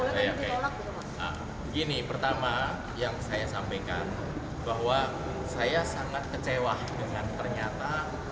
begini pertama yang saya sampaikan bahwa saya sangat kecewa dengan ternyata